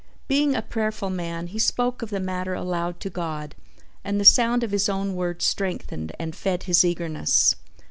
Being a prayerful man he spoke of the matter aloud to God and the sound of his own words strengthened and fed his eagerness.